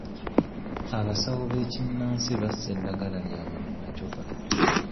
Abasawo b'ekinnansi bassa eddagala lyabwe mu macupa.